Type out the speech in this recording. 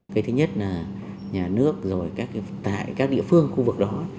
cái thứ nhất là nhà nước rồi tại các địa phương khu vực đó